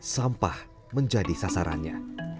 sampah menjadi sasarannya